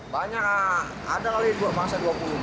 banyak ada lagi masa dua puluh